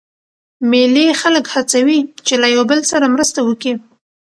مېلې خلک هڅوي، چي له یو بل سره مرسته وکي.